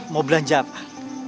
mau belanja apa